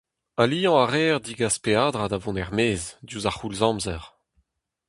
Aliañ a reer degas peadra da vont er-maez, diouzh ar c'houlz-amzer.